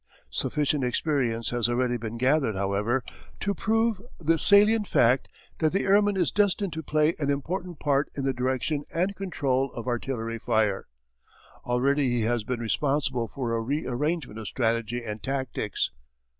Sufficient experience has already been gathered, however, to prove the salient fact that the airman is destined to play an important part in the direction and control of artillery fire. Already he has been responsible for a re arrangement of strategy and tactics.